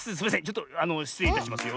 ちょっとあのしつれいいたしますよ。